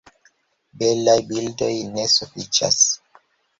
Belaj bildoj ne sufiĉas!